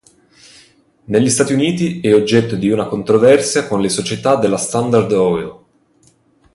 Negli Stati Uniti è oggetto di una controversia con le società della Standard Oil.